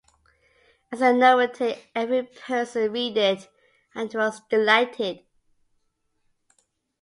As a novelty every person read it, and was delighted.